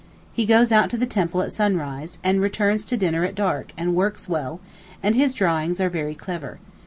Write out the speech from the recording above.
He goes out to the temple at sunrise, and returns to dinner at dark, and works well, and his drawings are very clever.